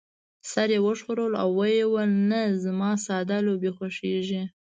سر يې وښوراوه او وې ویل: نه، زما ساده لوبې خوښېږي.